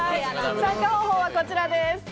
参加方法はこちらです。